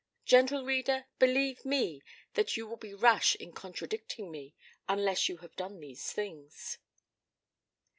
Gentle reader, believe me that you will be rash in contradicting me unless you have done these things.